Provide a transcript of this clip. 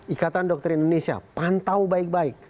ikatan dokter indonesia pantau baik baik